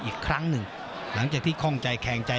อีกครั้งหนึ่งหลังจากที่คล่องใจแคงใจ